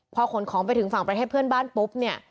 พอขนของไปถึงฝั่งประเทศเพื่อนบ้านปุ๊บเนี่ย